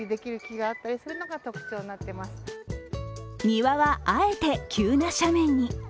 庭はあえて急な斜面に。